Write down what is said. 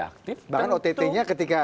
aktif bahkan ott nya ketika